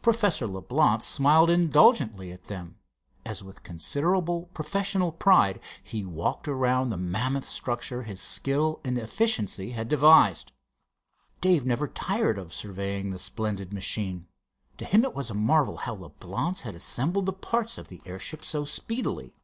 Professor Leblance smiled indulgently at them, as with considerable professional pride he walked around the mammoth structure his skill and efficiency had devised. Dave never tired of surveying the splendid machine. To him it was a marvel how Leblance had assembled the parts of the airship so speedily.